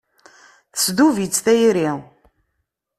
Tesdub-itt tayri.